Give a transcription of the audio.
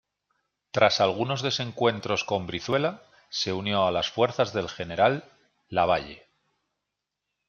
Tras algunos desencuentros con Brizuela, se unió a las fuerzas del general Lavalle.